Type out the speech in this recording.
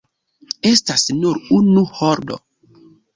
Estas nur unu holdo.